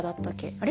あれ？